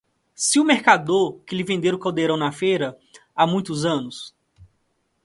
se o mercador que lhe vendera o caldeirão na feira há muitos anos